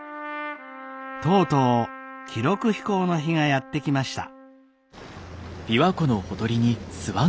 とうとう記録飛行の日がやって来ました。